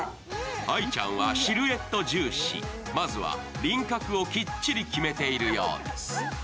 愛ちゃんはシルエット重視、まずは輪郭をきっちり決めているようです。